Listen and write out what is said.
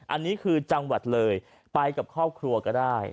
อันนี้คือจังหวัดเลยไปกับครอบครัวก็ได้